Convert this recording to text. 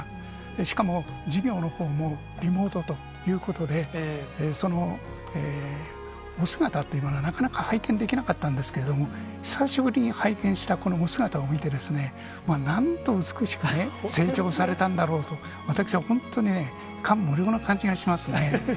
しかも授業のほうもリモートということで、そのお姿っていうのが、なかなか拝見できなかったんですけど、久しぶりに拝見したこのお姿を見て、なんと美しく成長されたんだろうと、私は本当にね、感無量な感じがしますね。